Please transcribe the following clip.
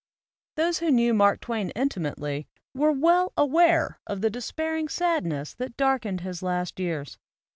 Those who knew Mark Twain intimately were well aware of the despairing sadness that dark ened his last years.